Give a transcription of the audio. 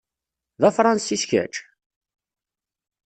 D Afransis, kečč?